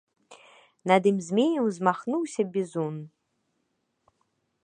Над ім змеем узмахнуўся бізун.